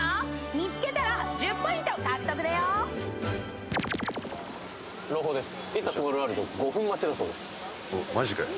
見つけたら１０ポイント獲得だよおっマジかよ